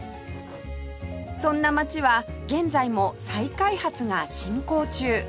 そんな街は現在も再開発が進行中